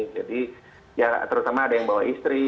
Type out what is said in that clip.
jadi ya terutama ada yang bawa isi